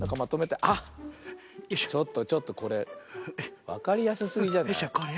あっちょっとちょっとこれわかりやすすぎじゃない？